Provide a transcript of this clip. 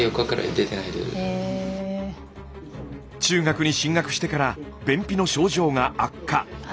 中学に進学してから便秘の症状が悪化。